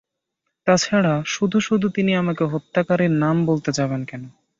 তা ছাড়া শুধু-শুধু তিনি আমাকে হত্যাকারীর নাম বলতে যাবেন কোন?